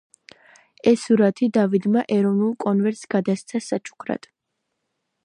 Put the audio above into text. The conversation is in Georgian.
ეს სურათი დავიდმა ეროვნულ კონვენტს გადასცა საჩუქრად.